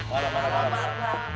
halo pak lurah